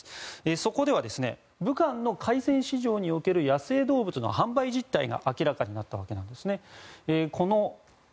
そこでは武漢の海鮮市場における野生動物の販売実態が明らかになったわけです。